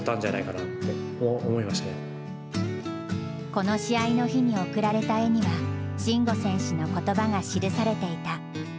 この試合の日に贈られた絵には慎吾選手の言葉が記されていた。